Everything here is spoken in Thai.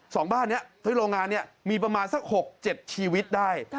สองบ้านนี้โรงงานนี้มีประมาณสัก๖๗ชีวิตได้